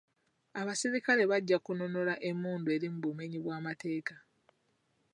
Abasirikale bajja kununula emmundu eri mu bumenyi bw'amateeka.